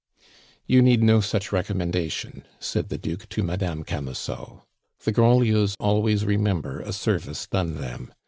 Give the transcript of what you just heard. "You need no such recommendation," said the Duke to Madame Camusot. "The Grandlieus always remember a service done them.